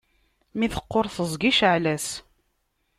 Mi teqquṛ teẓgi, cɛel-as!